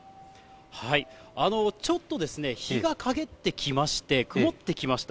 ちょっと日がかげってきまして、曇ってきました。